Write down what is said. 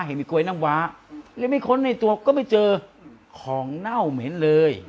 เห็นมีกลวยน้ำว้าแล้วไม่ค้นในตัวก็ไม่เจอของเน่าเหม็นเลย